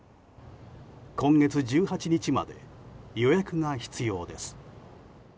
今月１８日まで予約が必要です。